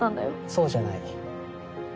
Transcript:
そうじゃない。